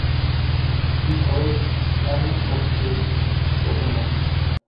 I Corps, Army of the Potomac